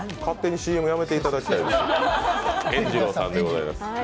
勝手にＣＭやめていただきたいです。